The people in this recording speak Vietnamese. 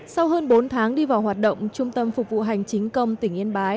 sau hơn bốn tháng đi vào hoạt động trung tâm phục vụ hành chính công tỉnh yên bái